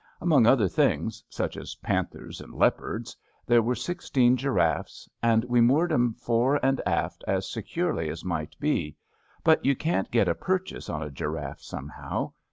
Among other things, such as panthers and leopards, there were sixteen gi raffes, and we moored 'em fore and aft as securely as might be; but you can't get a purchase on a giraffe somehow.